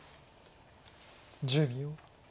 １０秒。